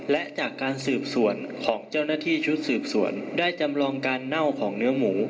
และจากการสืบสวนของเจ้าหน้าที่ชุดสืบสวนได้จำลองการเน่าของเนื้อหมู